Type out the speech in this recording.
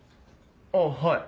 あっはい。